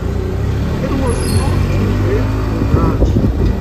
It was not too late for that.